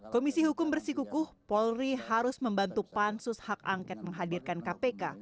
komisi hukum bersikukuh polri harus membantu pansus hak angket menghadirkan kpk